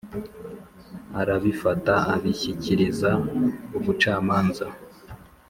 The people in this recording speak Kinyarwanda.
arabifata, abishyikiriza ubucamanza